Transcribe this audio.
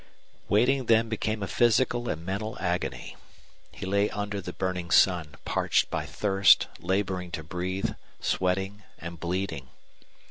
Waiting then became a physical and mental agony. He lay under the burning sun, parched by thirst, laboring to breathe, sweating and bleeding.